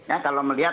ya kalau melihat